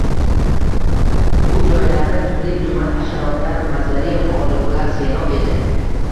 bu joylarda turli-tuman hasharotlar — mazali ozuqalar serob edi.